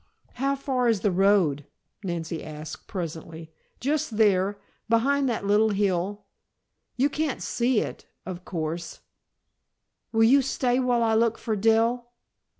"How far is the road?" Nancy asked presently. "Just there, behind that little hill. You can't see it, of course " "Will you stay while I look for Dell?"